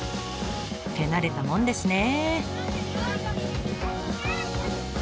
手慣れたもんですね。